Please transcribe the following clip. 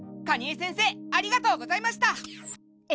蟹江先生ありがとうございました！